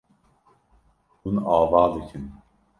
Hûn ava dikin.